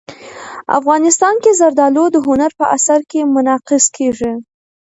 افغانستان کې زردالو د هنر په اثار کې منعکس کېږي.